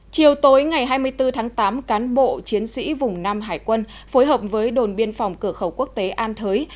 chiều tối ngày hai mươi bốn tháng tám cán bộ chiến sĩ vùng nam hải quân phối hợp với đồn biên phòng cửa khẩu quốc tế an thới